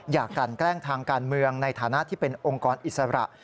กลั่นแกล้งทางการเมืองในฐานะที่เป็นองค์กรอิสระ